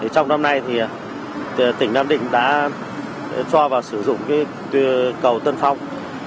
trong năm nay tỉnh nam định đã cho vào sử dụng cầu tân phong